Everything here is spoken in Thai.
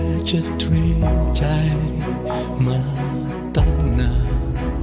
แม้จะทรีย์ใจมาตั้งนาน